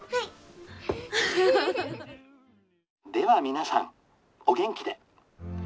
皆さんお元気で」。